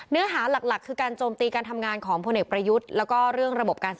เนื้อหาหลักคือการโจมตีการทำงานของคนเอกประยุทธ์